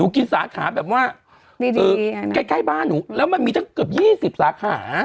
นูกินสาขาแบบว่าดีอ่ะนะใกล้ใกล้บ้านนูแล้วมันมีจังเกือบยี่สิบสาขา